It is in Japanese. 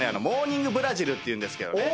『モーニングブラジル』っていうんですけど。